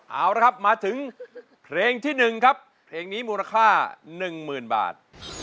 เอาละครับมาถึงเพลงที่๑ครับเพลงนี้มูลค่า๑๐๐๐บาท